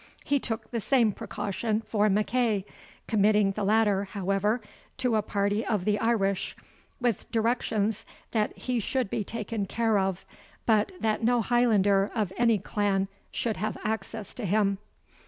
He took the same precaution for MacEagh, committing the latter, however, to a party of the Irish, with directions that he should be taken care of, but that no Highlander, of any clan, should have access to him.